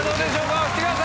押してください。